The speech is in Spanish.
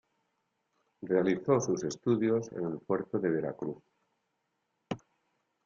Realizó sus estudios en el puerto de Veracruz.